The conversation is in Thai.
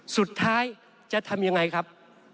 สุดท้ายจะทำยังไงครับ